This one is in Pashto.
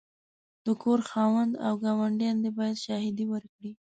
د کور خاوند او ګاونډیان دي باید شاهدې ورکړې.